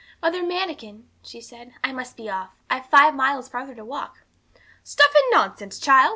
'Mother Manikin,' she said, 'I must be off. I've five miles farther to walk.' 'Stuff and nonsense, child!'